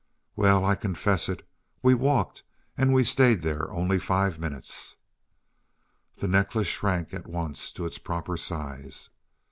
"Well, I confess it. We walked, and we stayed there only five minutes." The necklace shrank at once to its proper size.